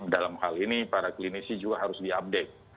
dalam hal ini para klinisi juga harus di update